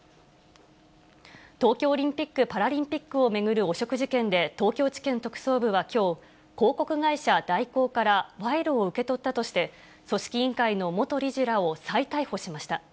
東京オリンピック・パラリンピックを巡る汚職事件で東京地検特捜部はきょう、広告会社、大広から賄賂を受け取ったとして、組織委員会の元理事らを再逮捕しました。